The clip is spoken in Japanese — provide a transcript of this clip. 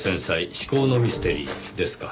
至高のミステリー」ですか。